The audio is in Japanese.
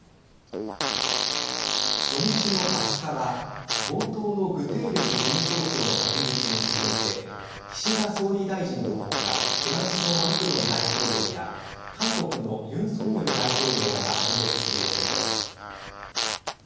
初日の２０日は冒頭のグテーレス事務総長の演説に続いて岸田総理大臣の他フランスのマクロン大統領や韓国のユン・ソンニョル大統領らが演説する予定です。